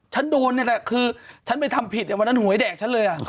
ฉันโดนนี่แหละคือฉันไปทำผิดวันนั้นหวยแดกฉันเลย